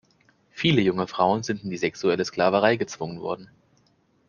Viele junge Frauen sind in die sexuelle Sklaverei gezwungen worden.